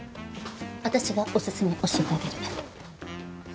私がおすすめ教えてあげる。